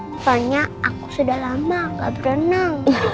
rupanya aku sudah lama gak berenang